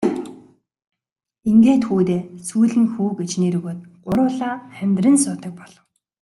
Ингээд хүүдээ Сүүлэн хүү гэж нэр өгөөд гурвуулаа амьдран суудаг болов.